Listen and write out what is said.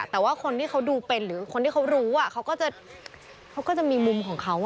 แต่ว่าคนที่เขาดูเป็นหรือคนที่เขารู้เขาก็จะมีเขาก็จะมีมุมของเขา